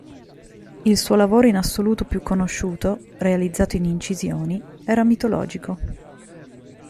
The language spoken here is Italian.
Il suo lavoro in assoluto più conosciuto, realizzato in incisioni, era mitologico.